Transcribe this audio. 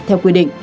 theo quy định